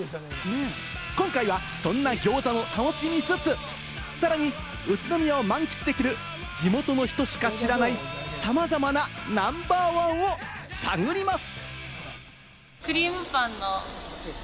今回はそんなギョーザを楽しみつつ、さらに宇都宮を満喫できる、地元の人しか知らない、さまざまなナンバーワンを探ります。